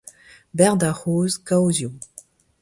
Bec'h d'ar c'hozh kaozioù!